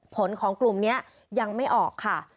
ผลของกลุ่มนี้ยังไม่ออกค่ะ